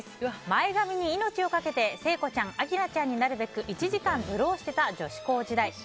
前髪に命をかけて、聖子ちゃん明菜ちゃんになるべく１時間ブローしていた女子高時代。